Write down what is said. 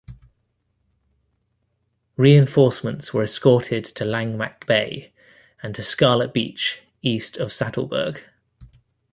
Reinforcements were escorted to Langemak Bay and to Scarlet Beach east of Satelberg.